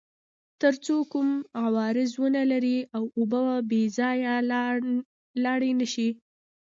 تر څو کوم عوارض ونلري او اوبه بې ځایه لاړې نه شي.